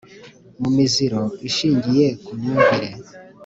mu miziro ishingiye ku myumvire